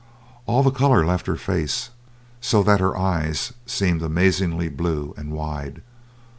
All the colour left her face, so that her eyes seemed amazingly blue and wide.